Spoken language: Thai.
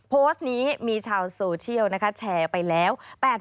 โพสต์นี้มีชาวโซเชียลนะคะแชร์ไปแล้ว